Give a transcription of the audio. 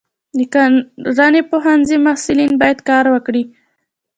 د کرنې پوهنځي محصلین باید کار وکړي.